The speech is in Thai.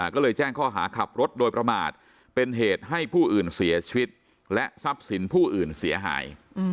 ก็เลยแจ้งข้อหาขับรถโดยประมาทเป็นเหตุให้ผู้อื่นเสียชีวิตและทรัพย์สินผู้อื่นเสียหาย